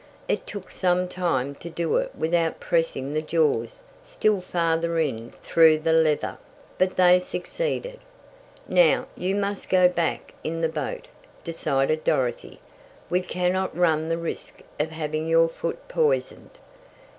It took some time to do it without pressing the jaws still farther in through the leather, but they succeeded. "Now, you must go back in the boat," decided Dorothy. "We cannot run the risk of having your foot poisoned."